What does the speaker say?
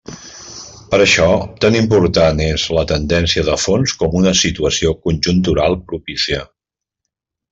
Per això, tan important és la tendència de fons com una situació conjuntural propícia.